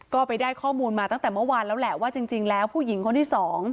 ก็ไปได้ข้อมูลมาตั้งแต่เมื่อวานแล้วแหละว่าจริงแล้วผู้หญิงคนที่๒